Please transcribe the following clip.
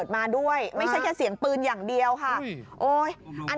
มีนักเรียนน้อยอยู่อ่ะ